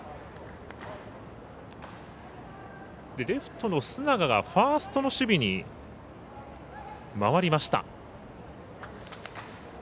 レフトの須永がファーストの守備に回りました。